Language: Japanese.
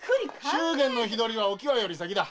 祝言の日取りはお喜和より先だ。